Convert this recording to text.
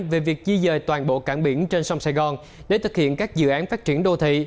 về việc di dời toàn bộ cảng biển trên sông sài gòn để thực hiện các dự án phát triển đô thị